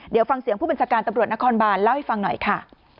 เดี๋ยวฟังเสียงผู้บัญชาการตำรวจนครบานเล่าให้ฟังหน่อยค่ะ